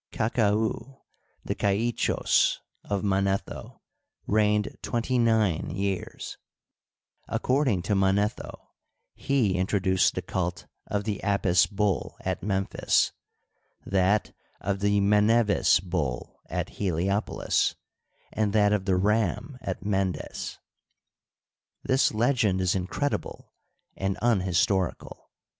Kakau, the Kaichos of Manetho, reigned twenty nine years. Ac cording to Manetho, he introduced the cult of the Apis bull at Memphis, that of the Menevis bull at Heliopolis, and Digitized byCjOOQlC 34 . HISTORY OF EGYPT. that of the ram at Mendes, This legend is incredible and unhistorical.